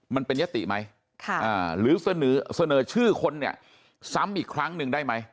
มันเป็นยติไหมหรือเสนอชื่อคนเนี่ยซ้ำอีกครั้งหนึ่งได้ไหม